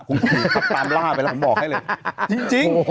คุณขี่ตามล่าไปแล้วผมบอกให้เลยจริง